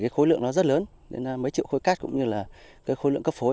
khối lượng rất lớn mấy triệu khối cát cũng như khối lượng cấp phối